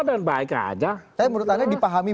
dan baik aja tapi menurut anda dipahami